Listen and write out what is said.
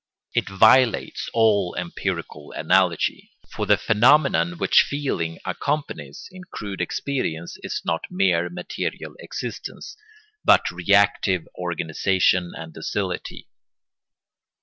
It violates all empirical analogy, for the phenomenon which feeling accompanies in crude experience is not mere material existence, but reactive organisation and docility.